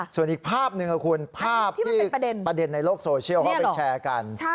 ส่วนอีกภาพหนึ่งค่ะคุณภาพที่ประเด็นในโลกโซเชียลเขาไปแชร์กัน